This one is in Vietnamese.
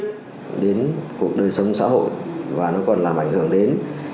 nó không chỉ ảnh hưởng đến cuộc đời sống xã hội và nó còn làm ảnh hưởng đến